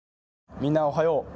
みんなおはよう。